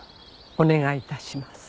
お願いいたします。